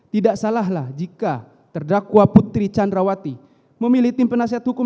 tidak salahlah jika terdakwa putri candrawati memilih tim penasihat hukum